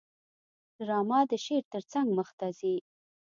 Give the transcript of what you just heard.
ډرامه د شعر ترڅنګ مخته ځي